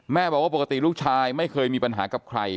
บอกว่าปกติลูกชายไม่เคยมีปัญหากับใคร